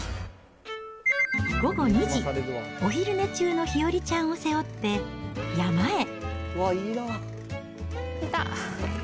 午後２時、お昼寝中の日和ちゃんを背負って山へ。